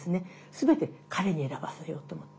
全て彼に選ばせようと思う。